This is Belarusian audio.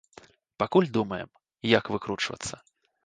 Пакуль думаем, як выкручвацца.